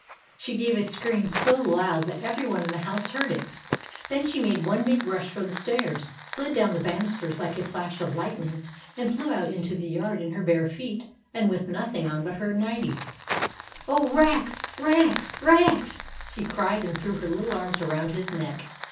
She gave a scream so loud that every one in the house heard it. Then she made one big rush for the stairs, slid down the banis ters like a flash of lightning, and flew out into the yard in her bare feet and with nothing on but her nightie. " Oh, Rex ! Rex ! Rex !" she cried, and threw her little arms around his neck.